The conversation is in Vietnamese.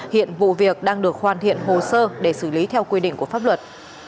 hiện vụ việc đang được hoàn thiện hồ sơ để xử lý theo quy định của pháp luật